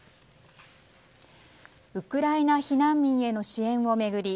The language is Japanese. ウクライナ避難民への支援を巡り